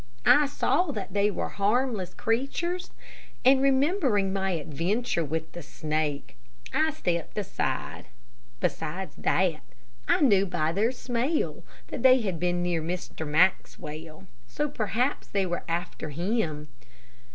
I saw that they were harmless creatures, and, remembering my adventure with the snake, I stepped aside. Besides that, I knew by their smell that they had been near Mr. Maxwell, so perhaps they were after him.